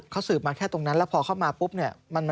เขาสืบมาแค่ตรงนั้นแล้วพอเข้ามาปุ๊บเนี่ย